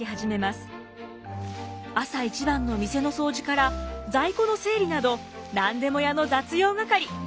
朝一番の店の掃除から在庫の整理など何でも屋の雑用係。